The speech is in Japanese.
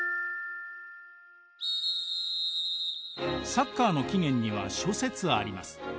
サッカーの起源には諸説あります。